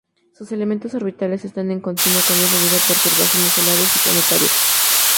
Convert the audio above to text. Sus elementos orbitales están en continuo cambio debido a perturbaciones solares y planetarias.